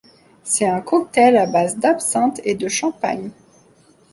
C'est un cocktail à base d'absinthe et de champagne.